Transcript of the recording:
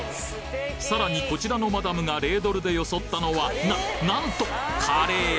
さらにこちらのマダムがレードルでよそったのはななんとカレー！